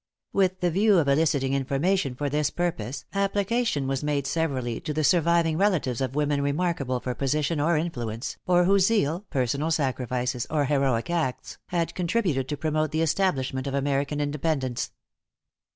With the view of eliciting information for this purpose, application was made severally to the surviving relatives of women remarkable for position or influence, or whose zeal, personal sacrifices, or heroic acts, had contributed to promote the establishment of American Independence.